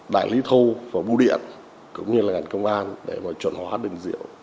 đại lý thô và bù điện cũng như là ngành công an để mà chuẩn hóa đơn diệu